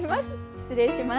失礼します。